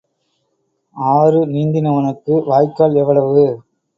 ஆறு நீந்தினவனுக்கு வாய்க்கால் எவ்வளவு?